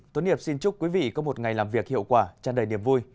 tốt nghiệp xin chúc quý vị có một ngày làm việc hiệu quả tràn đầy niềm vui